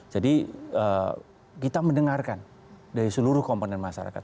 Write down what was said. kita mendengarkan dari seluruh komponen masyarakat